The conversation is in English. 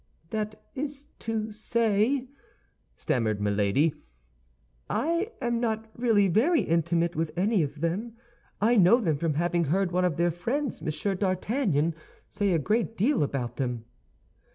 "That is to say," stammered Milady, "I am not really very intimate with any of them. I know them from having heard one of their friends, Monsieur d'Artagnan, say a great deal about them."